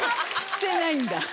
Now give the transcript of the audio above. してないんだ。